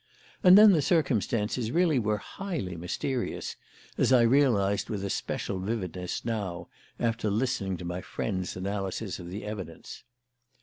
And then the circumstances really were highly mysterious, as I realised with especial vividness now after listening to my friend's analysis of the evidence.